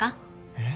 えっ？